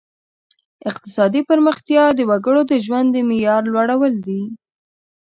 اقتصادي پرمختیا د وګړو د ژوند د معیار لوړول دي.